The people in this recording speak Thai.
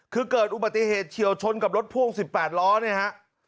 คือเกิดอุบัติเหตุเฉียวชนกับรถพ่วง๑๘ล้อเนี่ยฮะ